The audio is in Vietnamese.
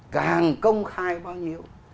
càng công khai bao nhiêu